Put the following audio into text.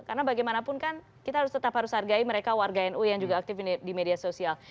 karena bagaimanapun kan kita harus tetap harus hargai mereka warga nu yang juga aktif di media sosial